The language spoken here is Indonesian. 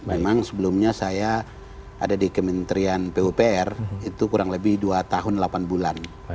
memang sebelumnya saya ada di kementerian pupr itu kurang lebih dua tahun delapan bulan